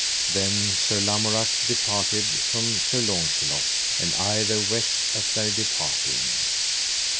Then Sir Lamorak departed from Sir Launcelot, and either wept at their departing.